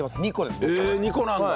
え２個なんだ？